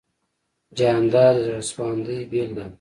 جانداد د زړه سواندۍ بېلګه ده.